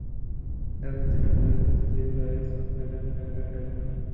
এরপর তিনি ঘরে ফিরতে দেরি করায় শঙ্করী রানী তাঁকে ডাকাডাকি করেন।